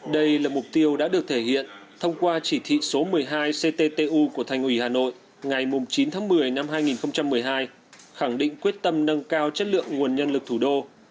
đây là mục tiêu đã được thể hiện thông qua chỉ thị số một mươi hai cttu của thành ủy hà nội ngày chín tháng một mươi năm hai nghìn một mươi hai khẳng định quyết tâm nâng cao chất lượng nguồn nhân lực thủ đô